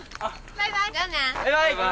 バイバイ！